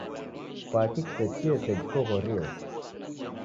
Kwaki kusechie sejhi koghorieghe?